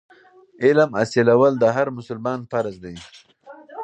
علم حاصلول د هر مسلمان فرض دی.